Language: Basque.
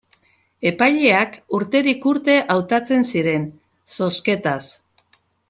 Epaileak urterik urte hautatzen ziren, zozketaz.